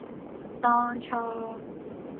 當初，